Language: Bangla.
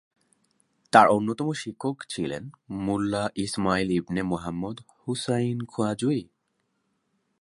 তার অন্যতম শিক্ষক ছিলেন মোল্লা ইসমাইল ইবনে মুহাম্মদ হুসাইন খোয়াজুই।